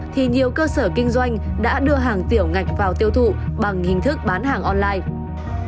thì nhiều cơ sở kinh doanh đã đưa hàng tiểu ngạch vào tiêu thụ bằng hình thức bán hàng online